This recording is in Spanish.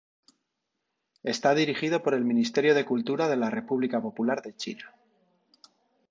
Está dirigido por el Ministerio de Cultura de la República Popular de China.